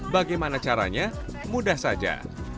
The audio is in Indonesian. bagaimana caranya mudah saja